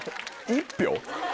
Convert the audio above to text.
１票？